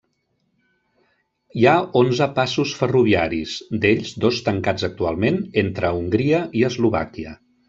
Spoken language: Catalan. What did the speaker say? Hi ha onze passos ferroviaris, d'ells dos tancats actualment, entre Hongria i Eslovàquia.